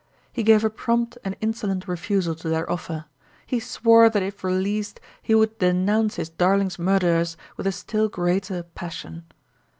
He gave a prompt and insolent refusal to their offer. He swore that if released he would denounce his darling's murderers with a still greater passion.